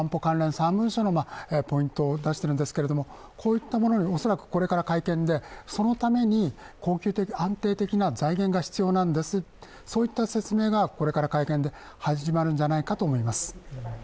３文書のポイントを出しているんですけどこういったものに恐らくこれから会見でそのために恒久的・安定的な財源が必要なんです、そういった説明がこれから会見で始まるんじゃないかと思います。